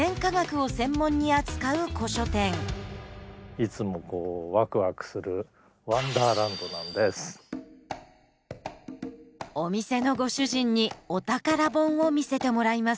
いつもこうワクワクするお店のご主人にお宝本を見せてもらいます。